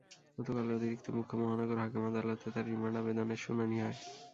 গতকাল অতিরিক্ত মুখ্য মহানগর হাকিম আদালতে তাঁর রিমান্ড আবেদনের শুনানি হয়।